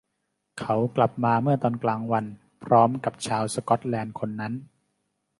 เขากลับมาเมื่อตอนกลางวันพร้อมกับชาวสก็อตแลนด์คนนั้น